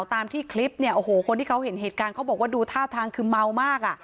ตามที่คลิปเนี่ยโอ้โหคนที่เขาเห็นเหตุการณ์เขาบอกว่าดูท่าทางคือเมามากอ่ะ